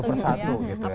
satu per satu gitu ya